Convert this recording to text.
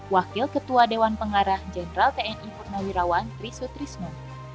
wakil ketua dewan pengarah jn tni purnawirawan tri sutrisno